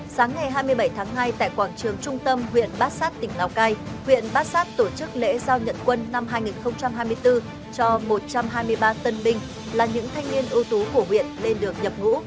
sáng ngày hai mươi bảy tháng hai tại quảng trường trung tâm huyện bát sát tỉnh lào cai huyện bát sát tổ chức lễ giao nhận quân năm hai nghìn hai mươi bốn cho một trăm hai mươi ba tân binh là những thanh niên ưu tú của huyện lên được nhập ngũ